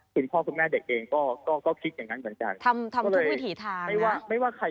ทิ้งทำให้เด็กนั้นออกมาไม่ได้